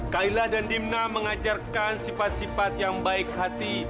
kaila dan dimna mengajarkan sifat sifat yang baik hati